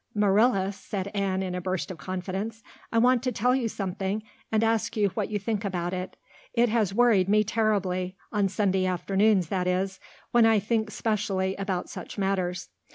"Marilla," said Anne in a burst of confidence, "I want to tell you something and ask you what you think about it. It has worried me terribly on Sunday afternoons, that is, when I think specially about such matters.